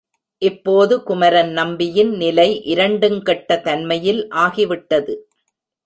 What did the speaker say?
இப்போது குமரன் நம்பியின் நிலை இரண்டுங்கெட்ட தன்மையில் ஆகிவிட்டது.